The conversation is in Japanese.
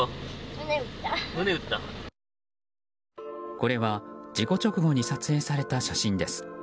これは事故直後に撮影された写真です。